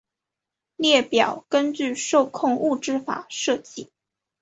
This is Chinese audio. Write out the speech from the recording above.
列表根据受控物质法设计。